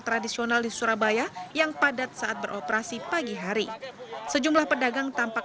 tradisional di surabaya yang padat saat beroperasi pagi hari sejumlah pedagang tampak